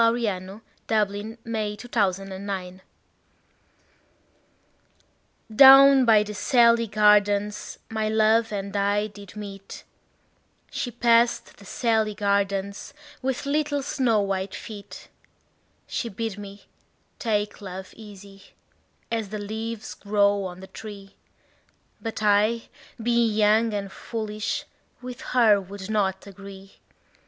William Butler Yeats Down by the Salley Gardens DOWN by the salley gardens my love and I did meet; She passed the salley gardens with little snow white feet. She bid me take love easy, as the leaves grow on the tree; But I, being young and foolish, with her would not agree.